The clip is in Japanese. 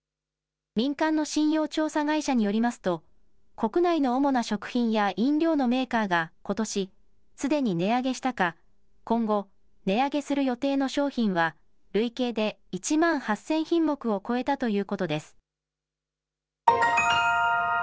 民間の信用調査会社によりますと国内の主な食品や飲料のメーカーがことし、すでに値上げしたか、今後値上げする予定の商品は累計で１万８０００品目を超えたということです。